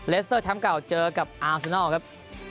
เลสเตอร์ช้ำเก่าเจอกับอาร์สนอลครับ